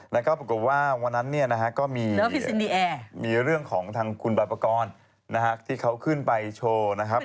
แล้วก็ปรากฏว่าวันนั้นเนี่ยนะฮะก็มีเรื่องของทางคุณบอยปกรณ์ที่เขาขึ้นไปโชว์นะครับ